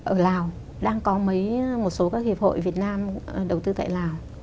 ở lào đang có mấy một số các hiệp hội việt nam đầu tư tại lào